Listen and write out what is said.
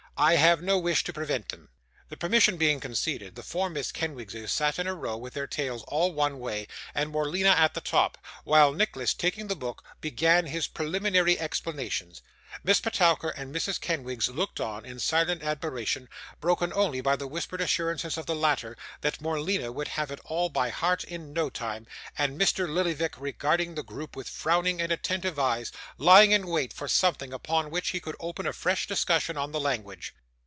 'I have no wish to prevent them.' This permission being conceded, the four Miss Kenwigses sat in a row, with their tails all one way, and Morleena at the top: while Nicholas, taking the book, began his preliminary explanations. Miss Petowker and Mrs. Kenwigs looked on, in silent admiration, broken only by the whispered assurances of the latter, that Morleena would have it all by heart in no time; and Mr. Lillyvick regarded the group with frowning and attentive eyes, lying in wait for something upon which he could open a fresh discussion on the language.